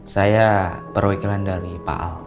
saya perwakilan dari pak al